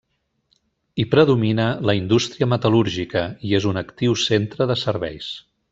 Hi predomina la indústria metal·lúrgica i és un actiu centre de serveis.